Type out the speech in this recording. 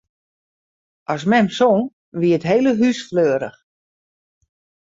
As mem song, wie it hiele hús fleurich.